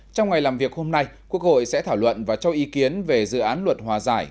trong ngày làm việc hôm nay quốc hội sẽ thảo luận và cho ý kiến về dự án luật hòa giải